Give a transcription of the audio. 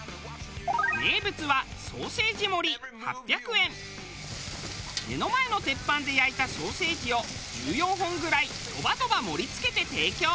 名物は目の前の鉄板で焼いたソーセージを１４本ぐらいドバドバ盛り付けて提供。